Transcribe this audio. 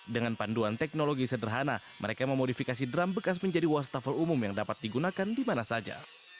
dengan panduan teknologi sederhana mereka memodifikasi drum bekas menjadi wastafel umum yang dapat digunakan di mana saja